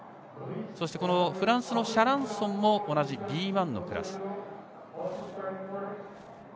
そしてフランスのシャランソンも同じＢ１のクラス。